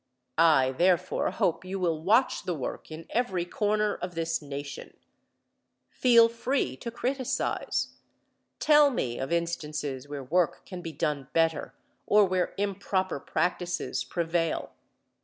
I, therefore, hope you will watch the work in every corner of this Nation. Feel free to criticize. Tell me of instances where work can be done better, or where improper practices prevail.